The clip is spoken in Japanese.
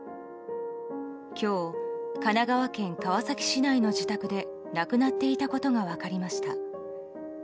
今日、神奈川県川崎市内の自宅で亡くなっていたことが分かりました。